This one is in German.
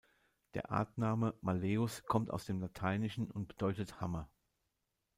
Der Artname "malleus" kommt aus dem Lateinischen und bedeutet „Hammer“.